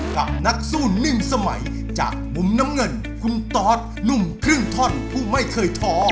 กับนักสู้หนึ่งสมัยจากมุมน้ำเงินคุณตอสหนุ่มครึ่งท่อนผู้ไม่เคยท้อ